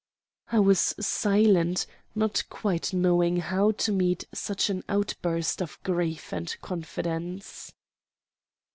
I was silent, not quite knowing how to meet such an outburst of grief and confidence.